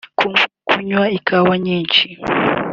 kunywa ikawa nyinshi